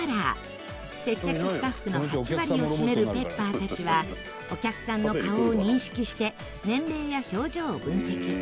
接客スタッフの８割を占めるＰｅｐｐｅｒたちはお客さんの顔を認識して年齢や表情を分析。